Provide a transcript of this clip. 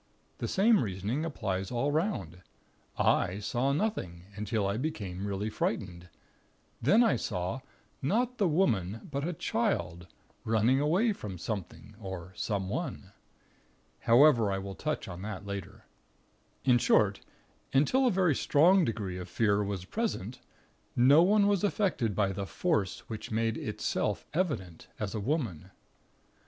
The same reasoning applies all 'round. I saw nothing, until I became really frightened; then I saw, not the Woman; but a Child, running away from Something or Someone. However, I will touch on that later. In short, until a very strong degree of fear was present, no one was affected by the Force which made Itself evident, as a Woman.